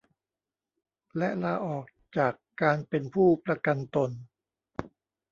และลาออกจากการเป็นผู้ประกันตน